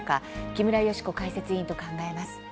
木村祥子解説委員と考えます。